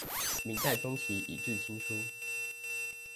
明代中期以至清初